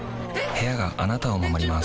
部屋があなたを守ります